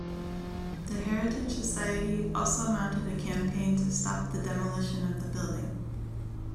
The Heritage Society also mounted a campaign to stop the demolition of the building.